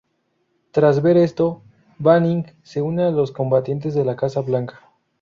Tras ver esto, Banning se une a los combatientes de la Casa Blanca.